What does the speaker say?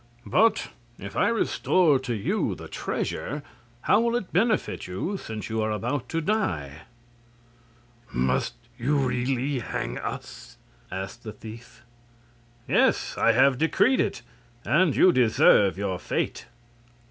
"But, if I restore to you the treasure, how will it benefit you, since you are about to die?" "Must you really hang us?" asked the thief. "Yes; I have decreed it, and you deserve your fate."